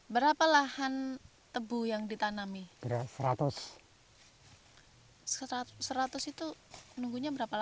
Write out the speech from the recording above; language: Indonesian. jika tidak petani terpaksa diberi kekuatan